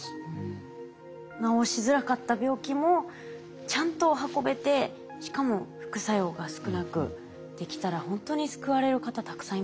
治しづらかった病気もちゃんと運べてしかも副作用が少なくできたらほんとに救われる方たくさんいますよね。